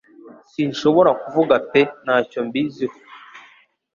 Sinshobora kuvuga pe ntacyo mbizi ho